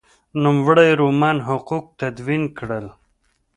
نوموړي رومن حقوق تدوین کړل.